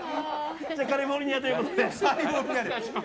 じゃあカリフォルニアということで。